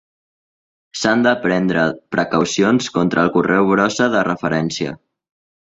S'han de prendre precaucions contra el correu brossa de referència.